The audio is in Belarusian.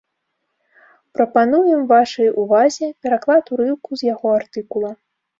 Прапануем вашай увазе пераклад урыўку з яго артыкула.